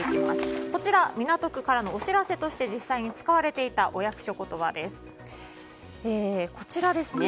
こちら港区からのお知らせとして実際に使われていたお役所言葉です。